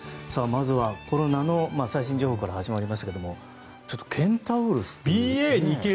まずはコロナの最新情報から始まりましたけれどもちょっとケンタウロスって。